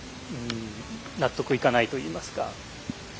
納得いかないといいますか。